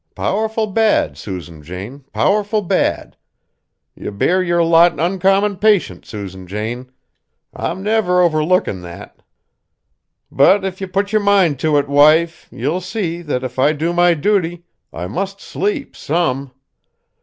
"Powerful bad, Susan Jane, powerful bad. Ye bear yer lot uncommon patient, Susan Jane; I'm never overlookin' that. But if ye put yer mind to it, wife, ye'll see that if I do my duty, I must sleep some.